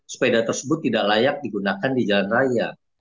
sepeda tersebut tidak layak digunakan di jalan raya